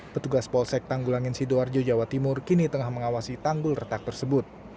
petugas polsek tanggulangin sidoarjo jawa timur kini tengah mengawasi tanggul retak tersebut